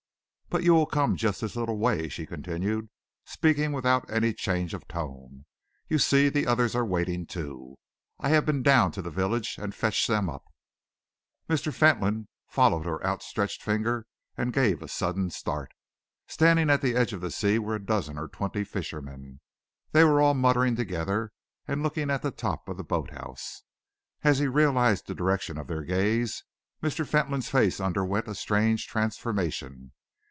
"But you will come just this little way," she continued, speaking without any change of tone. "You see, the others are waiting, too. I have been down to the village and fetched them up." Mr. Fentolin followed her outstretched finger and gave a sudden start. Standing at the edge of the sea were a dozen or twenty fishermen. They were all muttering together and looking at the top of the boat house. As he realised the direction of their gaze, Mr. Fentolin's face underwent a strange transformation.